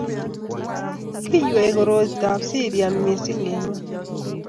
kiywei koroitab serian mising' eng' ng'ony.